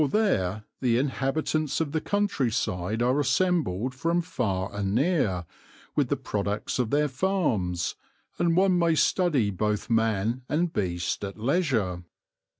For there the inhabitants of the country side are assembled from far and near, with the products of their farms, and one may study both man and beast at leisure.